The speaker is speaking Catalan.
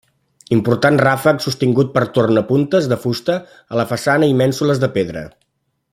Important ràfec sostingut per tornapuntes de fusta a la façana i mènsules de pedra.